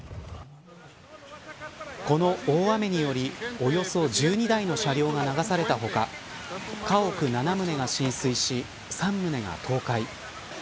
この大雨によりおよそ１２台の車両が流された他家屋７棟が浸水し３棟が倒壊。